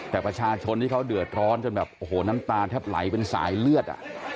แต่ประชาชนที่เขาเดือดร้อนจนแบบโอ้โหน้ำตาแทบไหลเป็นสายเลือด